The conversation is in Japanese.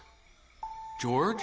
ジョージ。